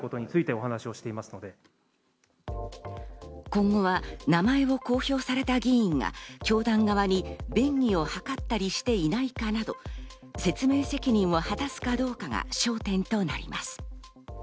今後は名前を公表された議員が教団側に便宜を図ったりしていないかなど、説明責任を果たすかどうかが焦点となります。